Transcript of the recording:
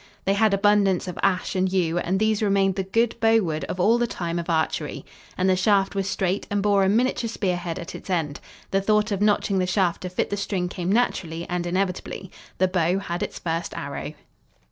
They had abundance of ash and yew and these remained the good bow wood of all the time of archery. And the shaft was straight and bore a miniature spearhead at its end. The thought of notching the shaft to fit the string came naturally and inevitably. The bow had its first arrow.